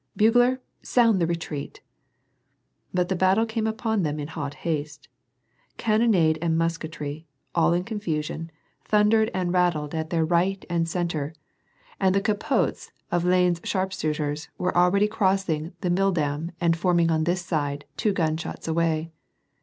Bugler, sound the retreat I " But the battle came upon them in hot haste. Cannonade and musketry, all in confusion, thundered and rattled at their 222 ^VAR AND PEACE. right and centre, and the capotes of Lannes's sharpshooters were already crossing the milldam and forming on this side, two gunshots away.